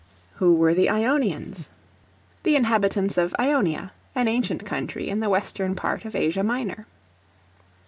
Who were the Ionians? The inhabitants of Ionia, an ancient country in the western part of Asia Minor.